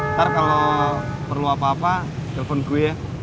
ntar kalo perlu apa apa telepon gue ya